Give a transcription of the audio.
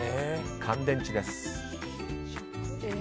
乾電池です。